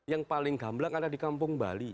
yang paling gamblang karena di kampung bali